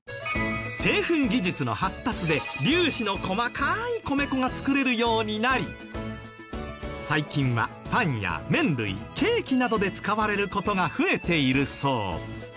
製粉技術の発達で粒子の細かい米粉が作れるようになり最近はパンや麺類ケーキなどで使われる事が増えているそう。